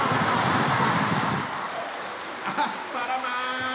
アスパラマン！